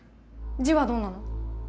字はどんなの？